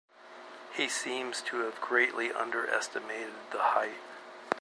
He seems to have greatly under-estimated the height.